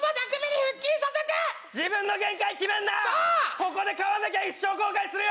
ここで変わんなきゃ一生後悔するよ！